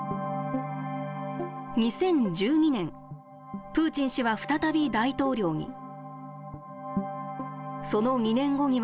２０１２年、プーチン氏は再び大統領に。